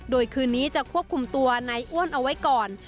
โดยคืนนี้จะควบคุมตัวนายอ้วนเอาไว้ก่อน